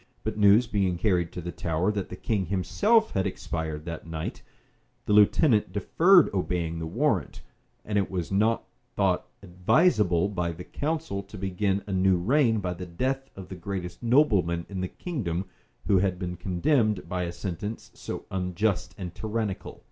But news being carried to the Tower that the king himself had expired that night, the lieutenant deferred obeying the warrant; and it was not thought advisable by the council to begin a new reign by the death of the greatest nobleman in the kingdom, who had been condemned by a sentence so unjust and tyrannical.